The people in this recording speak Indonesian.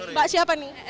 mbak siapa nih